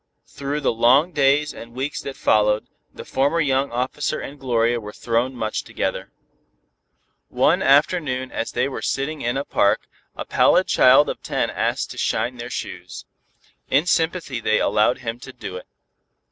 Through the long days and weeks that followed, the former young officer and Gloria were thrown much together. One afternoon as they were sitting in a park, a pallid child of ten asked to "shine" their shoes. In sympathy they allowed him to do it.